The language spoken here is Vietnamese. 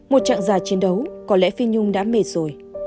một trạng già chiến đấu có lẽ phi nhung đã mệt rồi